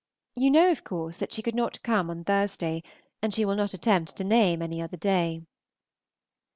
You know, of course, that she could not come on Thursday, and she will not attempt to name any other day.